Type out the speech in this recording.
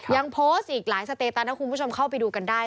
ยังโพสต์อีกหลายสเตตันถ้าคุณผู้ชมเข้าไปดูกันได้